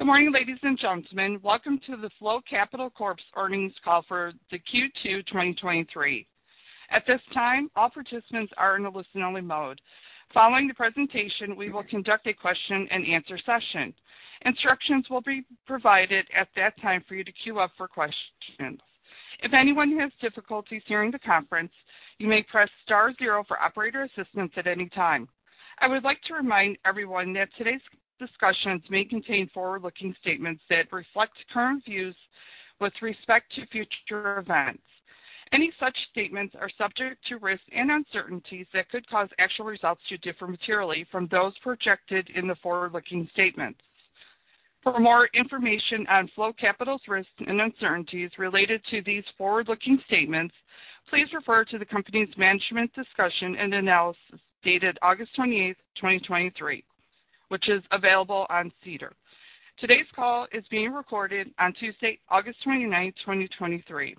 Good morning, ladies and gentlemen. Welcome to the Flow Capital Corp.'s earnings call for the Q2 2023. At this time, all participants are in a listen-only mode. Following the presentation, we will conduct a question-and-answer session. Instructions will be provided at that time for you to queue up for questions. If anyone has difficulties hearing the conference, you may press star zero for operator assistance at any time. I would like to remind everyone that today's discussions may contain forward-looking statements that reflect current views with respect to future events. Any such statements are subject to risks and uncertainties that could cause actual results to differ materially from those projected in the forward-looking statements. For more information on Flow Capital's risks and uncertainties related to these forward-looking statements, please refer to the company's management discussion and analysis dated August 28, 2023, which is available on SEDAR. Today's call is being recorded on Tuesday, August 29th, 2023.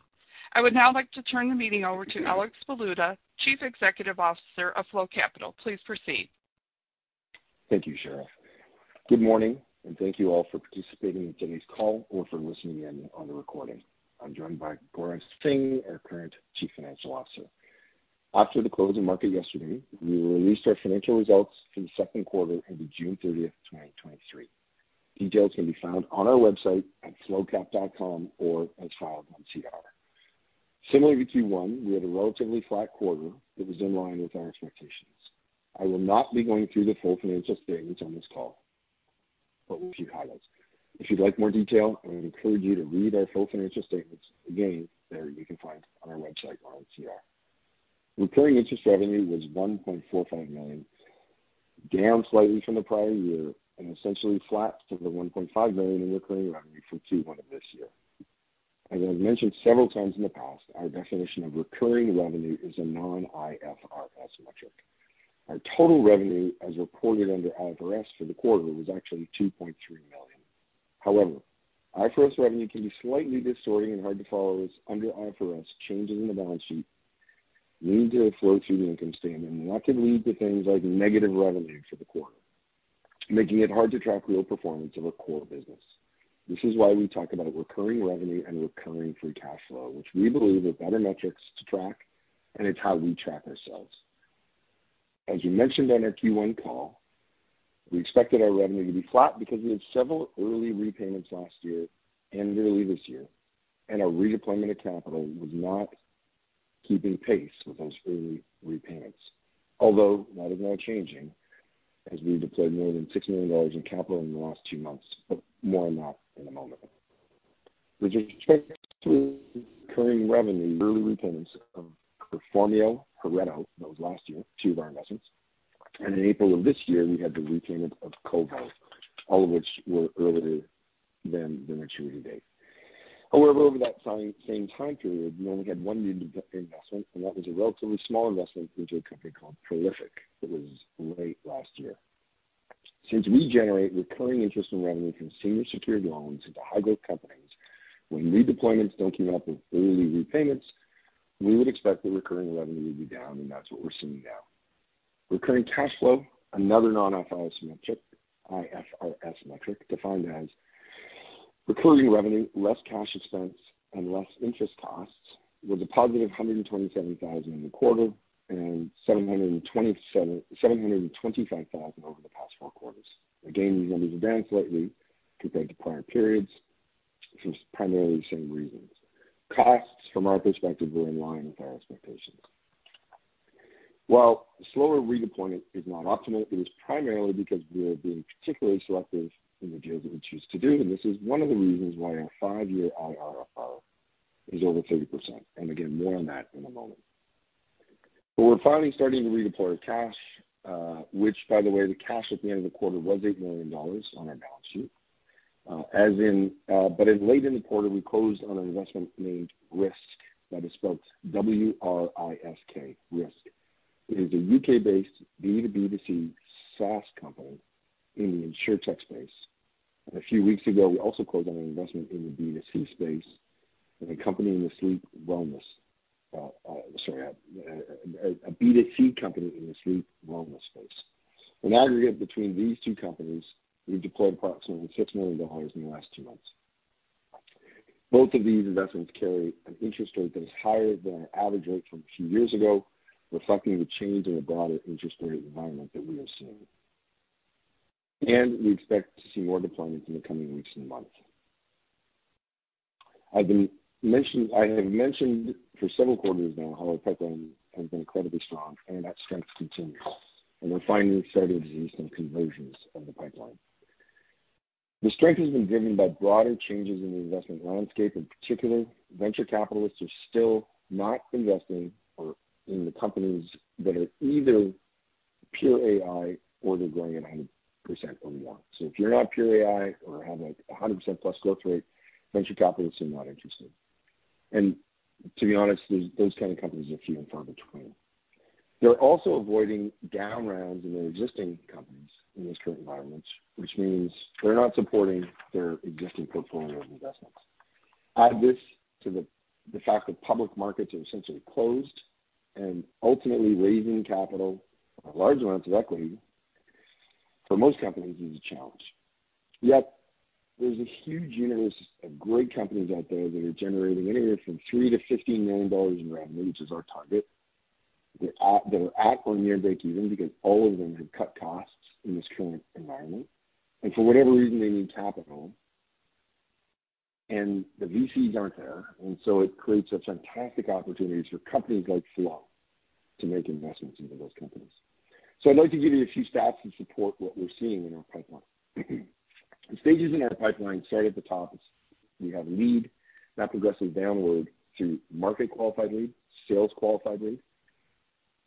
I would now like to turn the meeting over to Alex Baluta, Chief Executive Officer of Flow Capital. Please proceed. Thank you, Cheryl. Good morning, and thank you all for participating in today's call or for listening in on the recording. I'm joined by Gaurav Singh, our current Chief Financial Officer. After the closing market yesterday, we released our financial results for the second quarter ending June 30, 2023. Details can be found on our website at flowcap.com or as filed on CR. Similar to Q1, we had a relatively flat quarter that was in line with our expectations. I will not be going through the full financial statements on this call, but a few highlights. If you'd like more detail, I would encourage you to read our full financial statements. Again, there you can find on our website on SEDAR. Recurring interest revenue was $1.45 million, down slightly from the prior year and essentially flat to the $1.5 million in recurring revenue from Q1 of this year. As I've mentioned several times in the past, our definition of recurring revenue is a non-IFRS metric. Our total revenue, as reported under IFRS for the quarter, was actually $2.3 million. However, IFRS revenue can be slightly distorting and hard to follow, as under IFRS, changes in the balance sheet need to flow through the income statement, and that can lead to things like negative revenue for the quarter, making it hard to track real performance of our core business. This is why we talk about recurring revenue and recurring free cash flow, which we believe are better metrics to track, and it's how we track ourselves. As you mentioned on our Q1 call, we expected our revenue to be flat because we had several early repayments last year and early this year, and our redeployment of capital was not keeping pace with those early repayments. Although that is now changing as we deployed more than $6 million in capital in the last two months. But more on that in a moment. Which is recurring revenue, early repayments of Performio, Hereta, that was last year, two of our investments, and in April of this year, we had the repayment of Covo, all of which were earlier than the maturity date. However, over that same, same time period, we only had one new investment, and that was a relatively small investment into a company called Prolific. It was late last year. Since we generate recurring interest and revenue from senior secured loans to the high-growth companies, when redeployments don't keep up with early repayments, we would expect the recurring revenue to be down, and that's what we're seeing now. Recurring cash flow, another non-IFRS metric, IFRS metric, defined as recurring revenue, less cash expense and less interest costs, was +$127,000 in the quarter and $727,000, $725,000 over the past four quarters. Again, these numbers are down slightly compared to prior periods for primarily the same reasons. Costs from our perspective were in line with our expectations. While slower redeployment is not optimal, it is primarily because we're being particularly selective in the deals that we choose to do, and this is one of the reasons why our five-year IRR is over 30%. And again, more on that in a moment. But we're finally starting to redeploy our cash, which by the way, the cash at the end of the quarter was $8 million on our balance sheet. But as late in the quarter, we closed on an investment named Wrisk that is spelled W-R-I-S-K, Wrisk. It is a U.K.-based B2B2C SaaS company in the InsurTech space. And a few weeks ago, we also closed on an investment in the B2C space with a company in the sleep wellness, sorry, a B2C company in the sleep wellness space. In aggregate, between these two companies, we deployed approximately $6 million in the last two months. Both of these investments carry an interest rate that is higher than our average rate from a few years ago, reflecting the change in the broader interest rate environment that we are seeing. We expect to see more deployments in the coming weeks and months. I have mentioned for several quarters now how our pipeline has been incredibly strong, and that strength continues, and we're finally starting to see some conversions of the pipeline. The strength has been driven by broader changes in the investment landscape. In particular, venture capitalists are still not investing in the companies that are either pure AI or they're growing at 100% or more. So if you're not pure AI or have, like, a 100%+ growth rate, venture capitalists are not interested. To be honest, those kind of companies are few and far between. They're also avoiding down rounds in their existing companies in this current environment, which means they're not supporting their existing portfolio of investments. Add this to the fact that public markets are essentially closed and ultimately raising capital or large amounts of equity for most companies is a challenge. Yet there's a huge universe of great companies out there that are generating anywhere from $3 million- $15 million in revenue, which is our target. They're at or near breakeven because all of them have cut costs in this current environment, and for whatever reason, they need capital. And the VCs aren't there, and so it creates a fantastic opportunity for companies like Flow to make investments into those companies. So I'd like to give you a few stats to support what we're seeing in our pipeline. The stages in our pipeline start at the top. We have a lead that progresses downward to market qualified lead, sales qualified lead,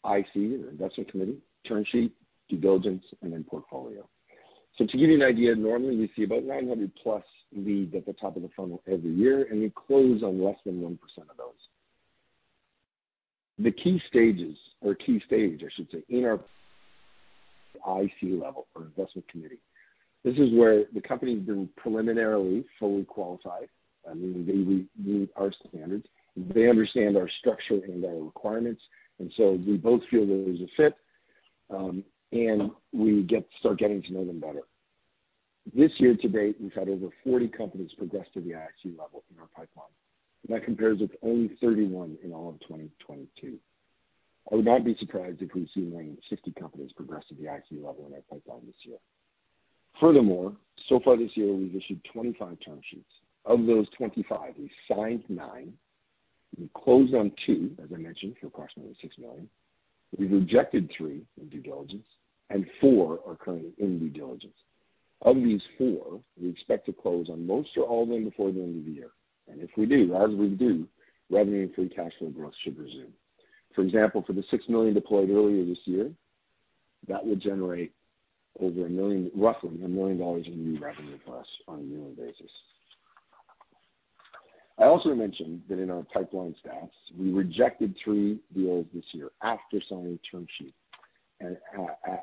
IC, or investment committee, term sheet, due diligence, and then portfolio. So to give you an idea, normally we see about 900+ leads at the top of the funnel every year, and we close on less than 1% of those. The key stages or key stage, I should say, in our IC level or investment committee, this is where the company's been preliminarily, fully qualified. I mean, they meet our standards, they understand our structure and our requirements, and so we both feel that there's a fit, and we start getting to know them better. This year, to date, we've had over 40 companies progress to the IC level in our pipeline. That compares with only 31 in all of 2022. I would not be surprised if we see 90 companies-60 companies progress to the IC level in our pipeline this year. Furthermore, so far this year, we've issued 25 term sheets. Of those 25, we signed nine. We closed on two, as I mentioned, for approximately $6 million. We've rejected three in due diligence, and four are currently in due diligence. Of these four, we expect to close on most or all of them before the end of the year. And if we do, as we do, revenue and free cash flow growth should resume. For example, for the $6 million deployed earlier this year, that would generate over $1 million, roughly $1 million dollars in new revenue plus on a yearly basis. I also mentioned that in our pipeline stats, we rejected three deals this year after signing a term sheet and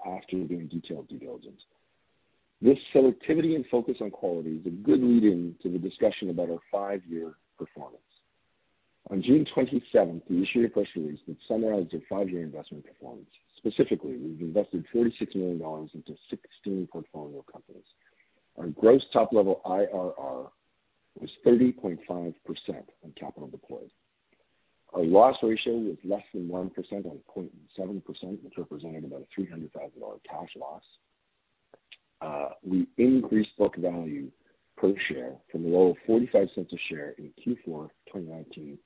after doing detailed due diligence. This selectivity and focus on quality is a good lead-in to the discussion about our five-year performance. On June 27th, we issued a press release that summarized our five-year investment performance. Specifically, we've invested $36 million into 16 portfolio companies. Our gross top-level IRR was 30.5% on capital deployed. Our loss ratio was less than 1% on 0.7%, which represented about a $300,000 cash loss. We increased book value per share from a low of $0.45 a share in Q4 2019,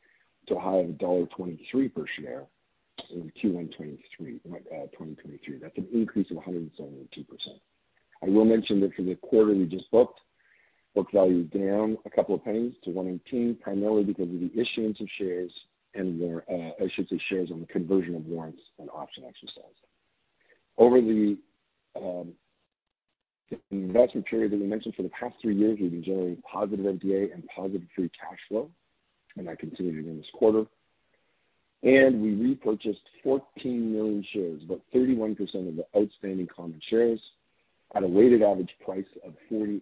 to a high of $1.23 per share in Q1 2022. That's an increase of 172%. I will mention that for the quarter, we just book value down a couple of pennies to $1.18, primarily because of the issuance of shares and their, I should say, shares on the conversion of warrants and option exercise. Over the investment period that we mentioned, for the past three years, we've been generating positive EBITDA and positive free cash flow, and that continued again this quarter. We repurchased 14 million shares, about 31% of the outstanding common shares, at a weighted average price of 48%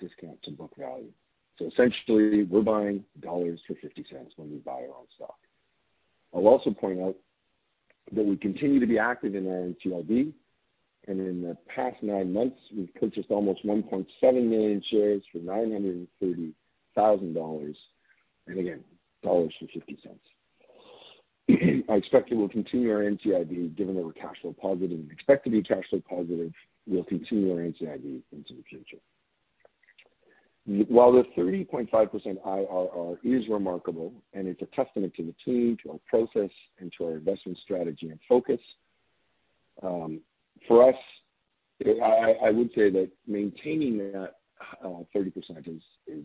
discount to book value. So essentially, we're buying dollars for $50 cents when we buy our own stock. I'll also point out that we continue to be active in our NCIB, and in the past 9 months, we've purchased almost 1.7 million shares for $930,000, and again, $0.50. I expect that we'll continue our NCIB, given that we're cash flow positive and expect to be cash flow positive, we'll continue our NCIB into the future. While the 30.5% IRR is remarkable, and it's a testament to the team, to our process, and to our investment strategy and focus, for us, I would say that maintaining that 30% is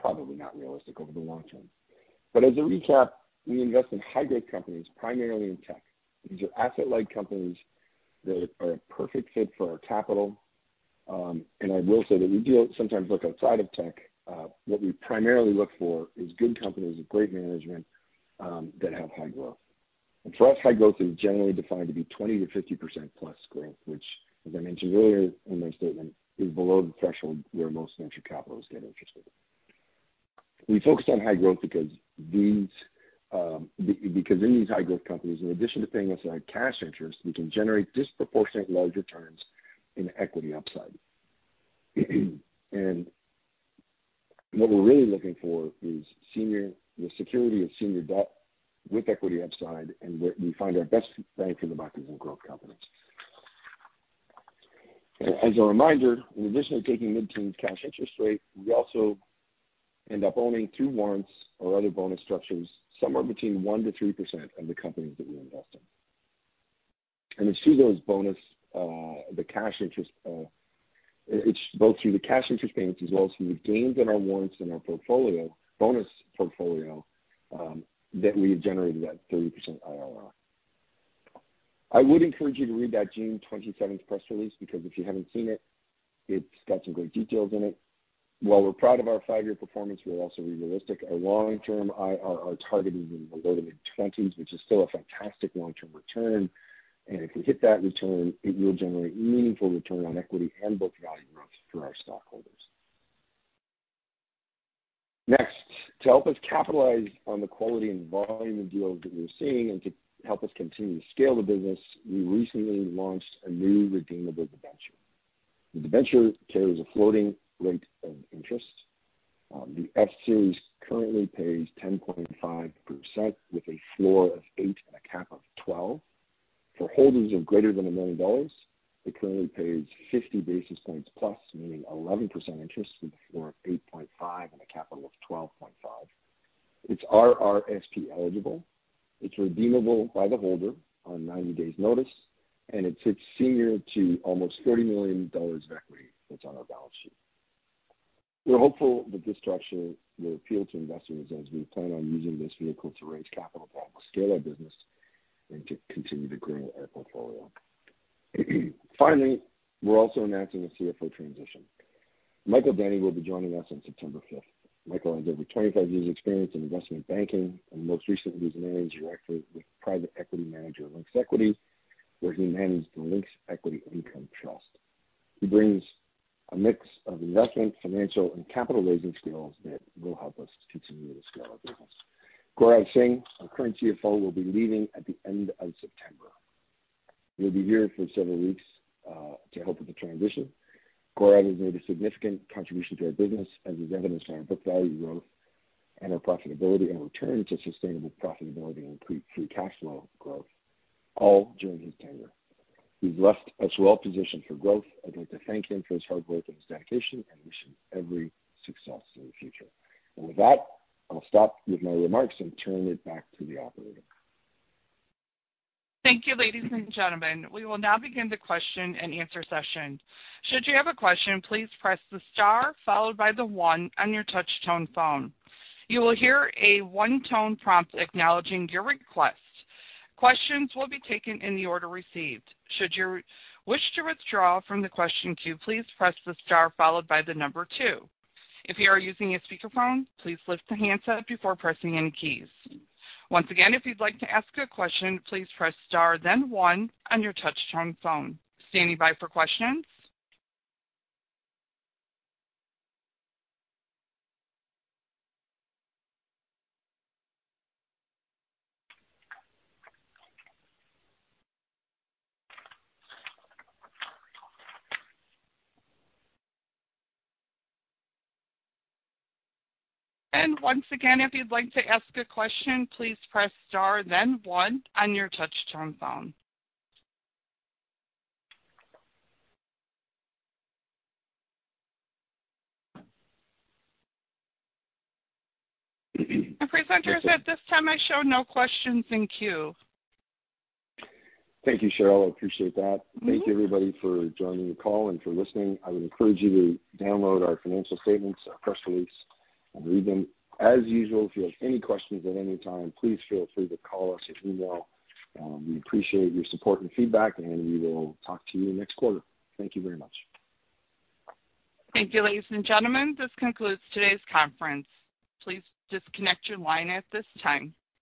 probably not realistic over the long term. But as a recap, we invest in high-growth companies, primarily in tech. These are asset-light companies that are a perfect fit for our capital. I will say that we do sometimes look outside of tech. What we primarily look for is good companies with great management, that have high growth. For us, high growth is generally defined to be 20%-50%+ growth, which, as I mentioned earlier in my statement, is below the threshold where most venture capitalists get interested. We focus on high growth because in these high growth companies, in addition to paying us high cash interest, we can generate disproportionate larger returns in equity upside. What we're really looking for is senior, the security of senior debt with equity upside, and we find our best bang for the buck is in growth companies. As a reminder, in addition to taking mid-teen cash interest rate, we also end up owning two warrants or other bonus structures, somewhere between 1%-3% of the companies that we invest in. And it's through those bonus, the cash interest, it's both through the cash interest payments as well as through the gains in our warrants in our portfolio, bonus portfolio, that we have generated that 30% IRR. I would encourage you to read that June 27th press release, because if you haven't seen it, it's got some great details in it. While we're proud of our five-year performance, we're also realistic. Our long-term IRR target is in the low- to mid-20s, which is still a fantastic long-term return.... And if we hit that return, it will generate meaningful return on equity and book value growth for our stockholders. Next, to help us capitalize on the quality and volume of deals that we're seeing and to help us continue to scale the business, we recently launched a new redeemable debenture. The debenture carries a floating rate of interest. The F series currently pays 10.5%, with a floor of 8% and a cap of 12%. For holders of greater than $1 million, it currently pays 50 basis points plus, meaning 11% interest, with a floor of 8.5% and a cap of 12.5%. It's RRSP eligible, it's redeemable by the holder on 90 days notice, and it sits senior to almost $30 million of equity that's on our balance sheet. We're hopeful that this structure will appeal to investors as we plan on using this vehicle to raise capital to help scale our business and to continue to grow our portfolio. Finally, we're also announcing a CFO transition. Michael Denny will be joining us on September 5. Michael has over 25 years experience in investment banking and most recently was a managing director with private equity manager, Lynx Equity, where he managed the Lynx Equity Income Trust. He brings a mix of investment, financial, and capital raising skills that will help us to continue to scale our business. Gaurav Singh, our current CFO, will be leaving at the end of September. He'll be here for several weeks to help with the transition. Gaurav has made a significant contribution to our business, as is evidenced by our book value growth and our profitability, and return to sustainable profitability and free cash flow growth, all during his tenure. He's left us well positioned for growth. I'd like to thank him for his hard work and his dedication, and wish him every success in the future. With that, I'll stop with my remarks and turn it back to the operator. Thank you, ladies and gentlemen. We will now begin the question and answer session. Should you have a question, please press the star followed by the one on your touchtone phone. You will hear a one-tone prompt acknowledging your request. Questions will be taken in the order received. Should you wish to withdraw from the question queue, please press the star followed by the number two. If you are using a speakerphone, please lift the handset before pressing any keys. Once again, if you'd like to ask a question, please press star, then one on your touchtone phone. Standing by for questions. And once again, if you'd like to ask a question, please press star, then one on your touchtone phone. And presenters, at this time, I show no questions in queue. Thank you, Cheryl. I appreciate that. Mm-hmm. Thank you, everybody, for joining the call and for listening. I would encourage you to download our financial statements, our press release, and read them. As usual, if you have any questions at any time, please feel free to call us or email. We appreciate your support and feedback, and we will talk to you next quarter. Thank you very much. Thank you, ladies and gentlemen. This concludes today's conference. Please disconnect your line at this time.